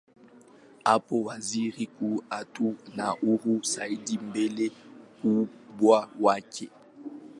Hapo waziri mkuu atakuwa na uhuru zaidi mbele mkubwa wake.